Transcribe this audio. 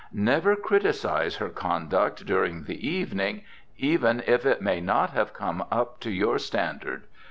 Never criticise her conduct during the evening, even if it may not have come up to your standard.